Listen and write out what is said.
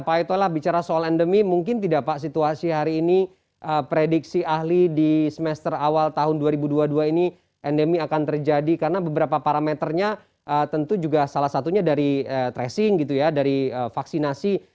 pak etol lah bicara soal endemi mungkin tidak pak situasi hari ini prediksi ahli di semester awal tahun dua ribu dua puluh dua ini endemi akan terjadi karena beberapa parameternya tentu juga salah satunya dari tracing gitu ya dari vaksinasi